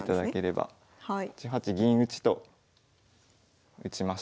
８八銀打と打ちました。